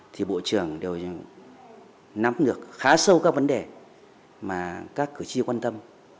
thì bộ trưởng đều nắm được khá sâu các vấn đề mà các cử tri quan tâm